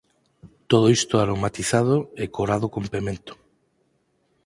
Todo isto aromatizado e corado con pemento.